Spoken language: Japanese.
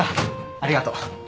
ありがと。